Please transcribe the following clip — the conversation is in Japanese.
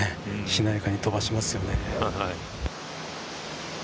しなやかに飛ばしますね。